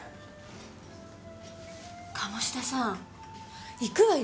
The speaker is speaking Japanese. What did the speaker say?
鴨志田さん行くわよ！